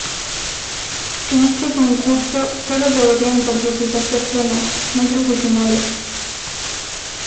En este concurso solo podían participar personas no profesionales.